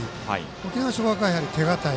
沖縄尚学は、やはり手堅い。